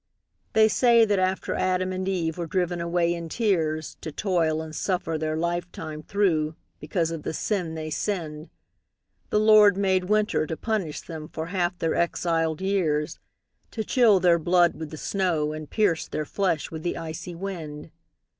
They say that after Adam and Eve were driven away in tears To toil and suffer their life time through, because of the sin they sinned, The Lord made Winter to punish them for half their exiled years, To chill their blood with the snow, and pierce their flesh with the icy wind.